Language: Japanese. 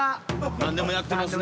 何でもやってますね。